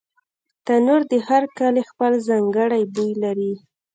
تنور د هر کلي خپل ځانګړی بوی لري